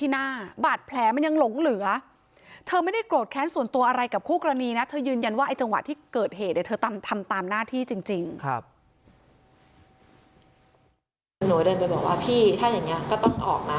หนูเดินไปบอกว่าพี่ถ้าอย่างนี้ก็ต้องออกมา